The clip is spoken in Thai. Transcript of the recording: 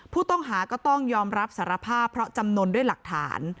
ผู้ต้องหาก็ต้องยอมรับสารภาพเพราะจำนวนด้วยหลักฐาน